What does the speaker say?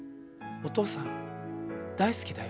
「お父さん大好きだよ」。